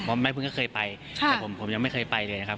เพราะแม่เพิ่งก็เคยไปแต่ผมยังไม่เคยไปเลยนะครับ